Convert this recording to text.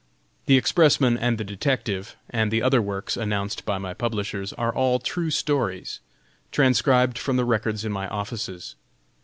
"THE EXPRESSMAN AND THE DETECTIVE," and the other works announced by my publishers, are all true stories, transcribed from the Records in my offices.